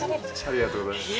ありがとうございます。